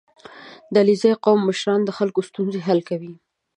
• د علیزي قوم مشران د خلکو ستونزې حل کوي.